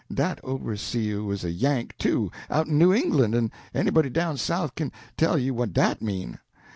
Dat overseer wuz a Yank, too, outen New Englan', en anybody down South kin tell you what dat mean.